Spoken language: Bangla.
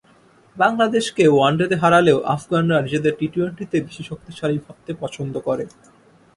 বাংলাদেশকে ওয়ানডেতে হারালেও আফগানরা নিজেদের টি-টোয়েন্টিতেই বেশি শক্তিশালী ভাবতে পছন্দ করে।